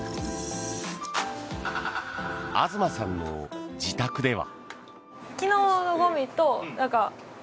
東さんの自宅では。